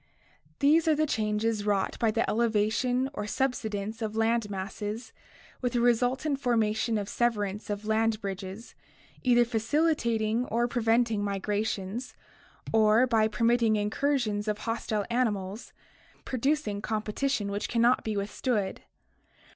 — These are the changes 226 ORGANIC EVOLUTION wrought by the elevation or subsidence of land masses, with the resultant formation or severance of land bridges, either facilitating or preventing migrations, or, by permitting incursions of hostile animals, producing competition which can not be withstood.